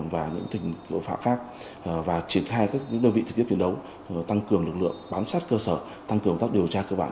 và triển khai các đơn vị thực tiếp chiến đấu tăng cường lực lượng bám sát cơ sở tăng cường các điều tra cơ bản